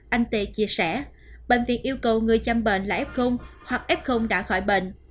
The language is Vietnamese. anh tê chia sẻ bệnh viện yêu cầu người chăm bệnh là f hoặc f đã khỏi bệnh